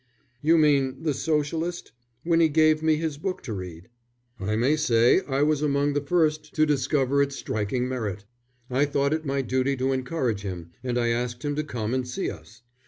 '" "You mean the Socialist? Winnie gave me his book to read." "I may say I was among the first to discover its striking merit. I thought it my duty to encourage him, and I asked him to come and see us.